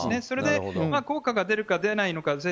それで効果が出るのか出ないのか。